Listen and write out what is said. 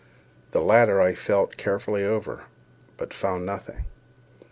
The latter I felt carefully over, but found nothing.